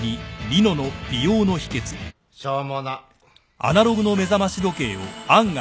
しょうもなっ。